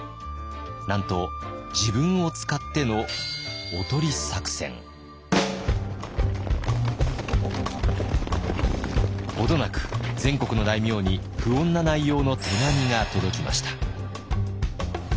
なんと自分を使っての程なく全国の大名に不穏な内容の手紙が届きました。